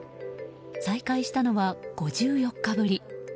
再会したのは、５４日ぶり。